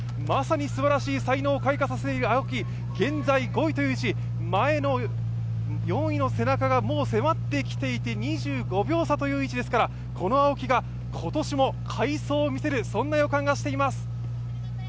まさにすばらしい才能を開花させている青木、現在５位という位置、前の４位の背中がもう迫ってきていて２５秒差という位置ですから、この青木が今年も快走を見せる予感がしています。